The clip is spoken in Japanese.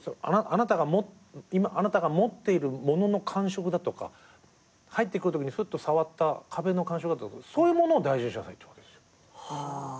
「あなたが持っている物の感触だとか入ってくるときにふっと触った壁の感触だとかそういうものを大事にしなさい」って言うわけですよ。